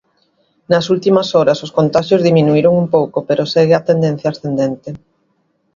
Nas últimas horas os contaxios diminuíron un pouco pero segue a tendencia ascendente.